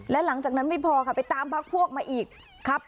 และหลังจากนั้นไม่พอค่ะไปตามพักพวกมาอีกครับ